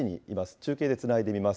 中継でつないでみます。